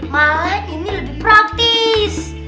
malah ini lebih praktis